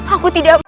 aku tidak mau